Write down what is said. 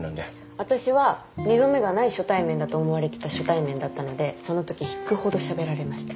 私は二度目がない初対面だと思われてた初対面だったのでそのとき引くほどしゃべられました。